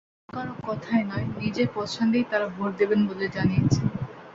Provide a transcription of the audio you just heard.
অন্য কারও কথায় নয়, নিজেদের পছন্দেই তাঁরা ভোট দেবেন বলে জানিয়েছেন।